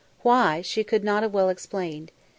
Why, she could not have well explained.